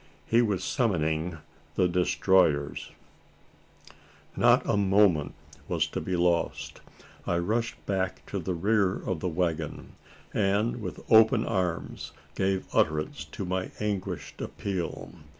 He was summoning the "Destroyers!" Not a moment was to be lost. I rushed back to the rear of the waggon; and with open arms gave utterance to my anguished appeal.